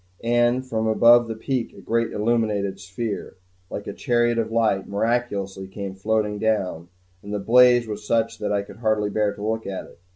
And from above the peak a great illuminated sphere, like a chariot of light, miraculously came floating down; and the blaze was such that I could hardly bear to look at it.